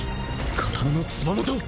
刀のつば元を！？